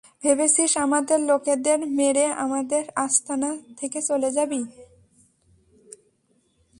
ভেবেছিস আমাদের লোকেদের মেরে আমাদের আস্তানা থেকে চলে যাবি?